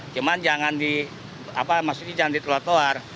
cuman jangan di apa maksudnya jangan di trotoar